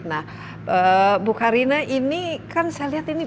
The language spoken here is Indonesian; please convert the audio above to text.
nah bu karina ini kan saya lihat ini